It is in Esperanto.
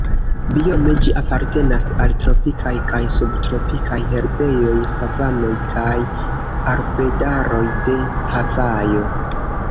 Biome ĝi apartenas al tropikaj kaj subtropikaj herbejoj, savanoj kaj arbedaroj de Havajo.